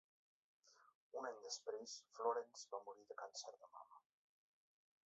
Un any després Florence va morir de càncer de mama.